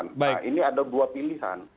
nah ini ada dua pilihan